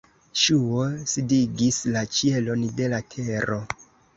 Ŝuo disigis la ĉielon de la tero.